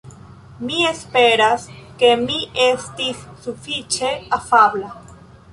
Mi esperas ke mi estis sufiĉe afabla.